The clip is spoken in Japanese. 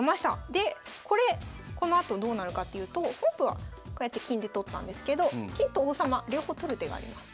でこれこのあとどうなるかっていうと本譜はこうやって金で取ったんですど金と王様両方取る手があります。